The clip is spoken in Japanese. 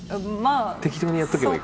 適当にやっとけばいいから。